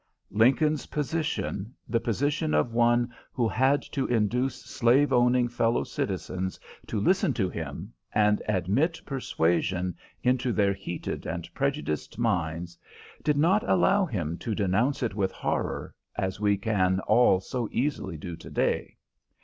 Lincoln's position, the position of one who had to induce slave owning fellow citizens to listen to him and admit persuasion into their heated and prejudiced minds, did not allow him to denounce it with horror, as we can all so easily do to day.